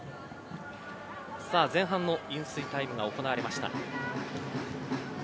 前半の飲水タイムが行われました。